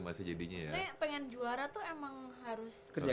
maksudnya pengen juara tuh emang harus